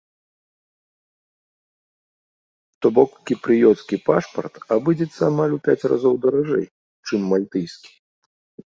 То бок кіпрыёцкі пашпарт абыдзецца амаль у пяць разоў даражэй, чым мальтыйскі.